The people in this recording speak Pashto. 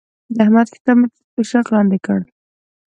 د احمد کتاب مې تر توشک لاندې کړ.